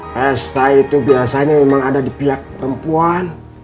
pesta itu biasanya memang ada di pihak perempuan